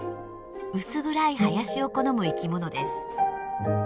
薄暗い林を好む生きものです。